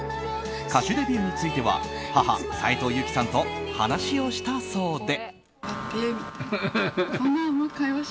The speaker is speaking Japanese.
歌手デビューについては母・斉藤由貴さんと話をしたそうで。